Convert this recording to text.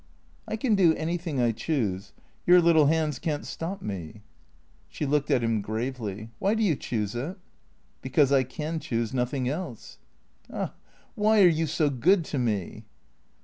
"I can do anything I choose. Your little hands can't stop me." She looked at him gravely. " Why do you choose it ?"" Because I can choose nothing else." " Ah, why are you so good to me